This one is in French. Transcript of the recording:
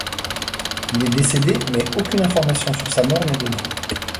Il est décédé, mais aucune information sur sa mort n'est donnée.